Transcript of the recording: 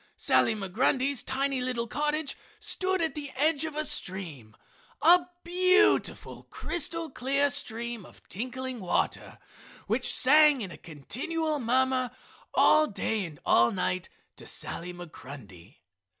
Sally Migrundy's tiny little cottage stood at the edge of a stream, a beautiful crystal clear stream of tinkling water which sang in a continual murmur all day and all night to Sally Migrundy.